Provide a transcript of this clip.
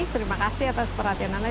terima kasih atas perhatian anda